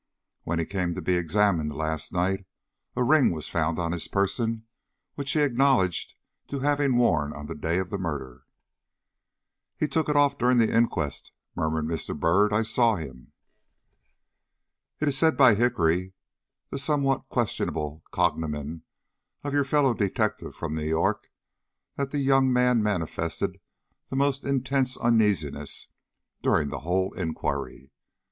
When he came to be examined last night, a ring was found on his person, which he acknowledged to having worn on the day of the murder." "He took it off during the inquest," murmured Mr. Byrd; "I saw him." "It is said by Hickory the somewhat questionable cognomen of your fellow detective from New York that the young man manifested the most intense uneasiness during the whole inquiry.